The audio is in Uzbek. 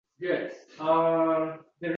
katta agrar xo‘jaliklar yuzaga kelishi uchun